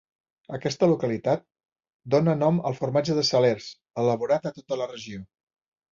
Aquesta localitat dóna nom al formatge de Salers, elaborat a tota la regió.